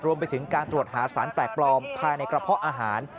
รวมไปถึงการตรวจหาสารแปลกปลอมภายในกระเพาะอาหาร